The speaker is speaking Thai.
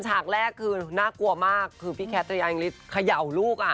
ฉากแรกคือน่ากลัวมากคือพี่แคทยายังฤทธิเขย่าลูกอ่ะ